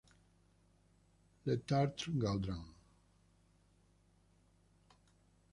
Le Tartre-Gaudran